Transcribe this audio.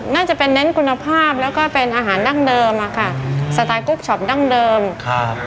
น่าจะเป็นเน้นคุณภาพแล้วก็เป็นอาหารดั้งเดิมอ่ะค่ะสไตล์กรุ๊ปช็อปดั้งเดิมครับ